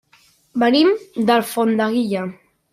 Venim d'Alfondeguilla.